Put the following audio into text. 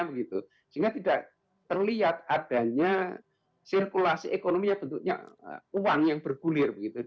sehingga tidak terlihat adanya sirkulasi ekonominya bentuknya uang yang bergulir